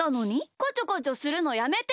こちょこちょするのやめてよ！